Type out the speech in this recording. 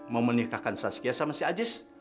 mau menikahkan saya sekian sama si ajis